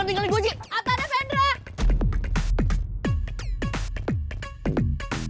tunggu cik atau defendra